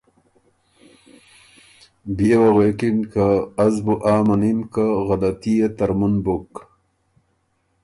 بيې وه غوېکِن که ”از بُو آ منِم که غلطي يې ترمُن بُک